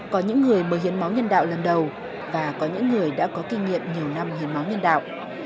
có những người mới hiến máu nhân đạo lần đầu và có những người đã có kinh nghiệm nhiều năm hiến máu nhân đạo